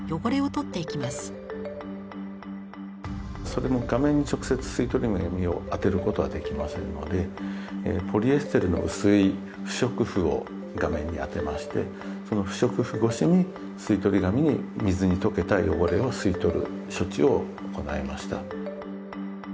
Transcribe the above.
それも画面に直接吸い取り紙を当てることはできませんのでポリエステルの薄い不織布を画面に当てましてその不織布越しに吸い取り紙に水に溶けた汚れを吸い取る処置を行いました。